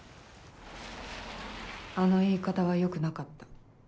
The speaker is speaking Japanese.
あの言い方はよくなかった。